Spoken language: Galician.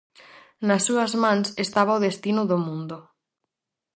Nas súas mans estaba o destino do mundo.